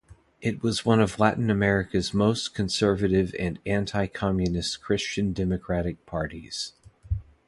It was one of Latin America's most conservative and anti-communist Christian democratic parties.